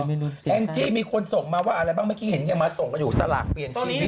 แอ้งจีมีคนส่งมาว่าอะไรบ้างเมื่อกี้เห็นมาส่งอยู่สลากเปลี่ยนชีวิต